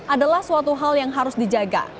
adalah suatu hal yang harus dijaga